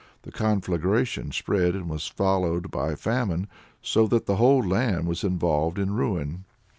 The conflagration spread and was followed by famine, so that the whole land was involved in ruin.